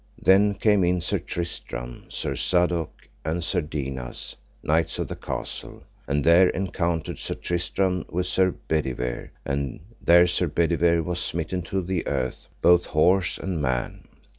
Then came in Sir Tristram, Sir Sadok, and Sir Dinas, knights of the castle, and there encountered Sir Tristram with Sir Bedivere, and there Sir Bedivere was smitten to the earth both horse and man.